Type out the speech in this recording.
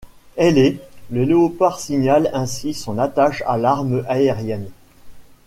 Ailé, le léopard signale ainsi son attache à l'arme aérienne.